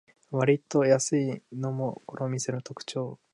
わりと安いのもこの店の特長